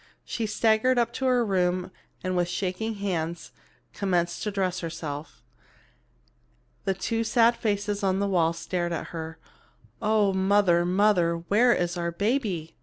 She staggered up to her room and with shaking hands commenced to dress herself. The two sad faces on the wall stared at her. "Oh, mother, mother, where is our baby?"